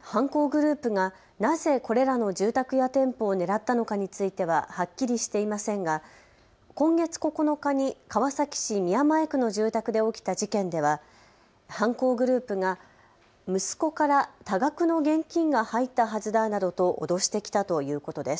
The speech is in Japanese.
犯行グループがなぜ、これらの住宅や店舗を狙ったのかについてははっきりしていませんが今月９日に川崎市宮前区の住宅で起きた事件では犯行グループが息子から多額の現金が入ったはずだなどと脅してきたということです。